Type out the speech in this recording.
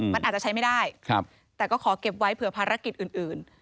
มันอาจจะใช้ไม่ได้แต่ก็ขอเก็บไว้เผื่อภารกิจอื่น